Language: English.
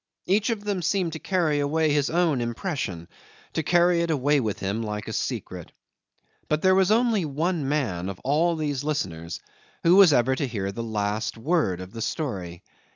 Each of them seemed to carry away his own impression, to carry it away with him like a secret; but there was only one man of all these listeners who was ever to hear the last word of the story.